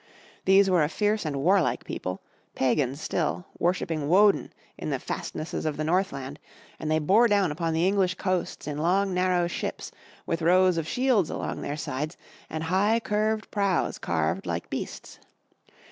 These were a fierce and warlike people, pagans still, worshiping Woden in the fastnesses of the North land, and they bore down upon the English coasts in long narrow ships with rows of shields along their sides and high curved prows carved like beasts.